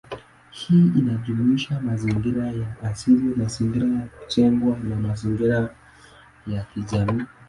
Hii inajumuisha mazingira ya asili, mazingira ya kujengwa, na mazingira ya kijamii.